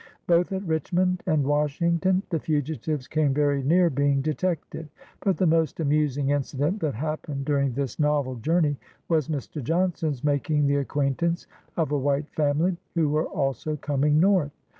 Both at Eichmond and Washington, the fugitives came very near being detected. But the most amusing inci dent that happened during this novel journey was Mr. Johnson 1 s making the acquaintance of a white family, who were also coming Xorth.